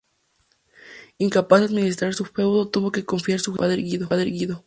Incapaz de administrar su feudo, tuvo que confiar su gestión a su padre Guido.